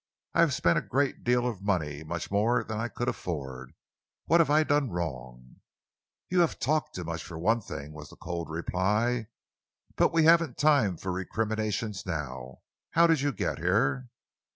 I have spent a great deal of money much more than I could afford. What have I done wrong?" "You have talked too much, for one thing," was the cold reply, "but we haven't time for recriminations now. How did you get here?"